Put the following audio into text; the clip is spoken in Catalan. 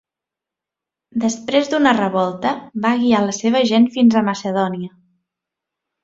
Després d'una revolta, va guiar la seva gent fins a Macedònia.